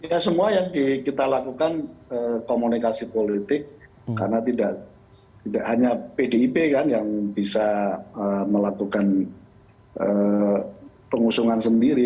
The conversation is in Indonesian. ya semua yang kita lakukan komunikasi politik karena tidak hanya pdip kan yang bisa melakukan pengusungan sendiri